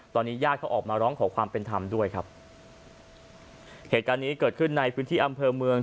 ตอนนี้ญาติเขาออกมาร้องขอความเป็นธรรมด้วยครับเหตุการณ์นี้เกิดขึ้นในพื้นที่อำเภอเมือง